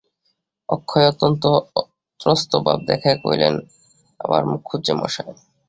অক্ষয় অত্যন্ত ত্রস্তভাব দেখাইয়া কহিলেন, আবার মুখুজ্যেমশায়!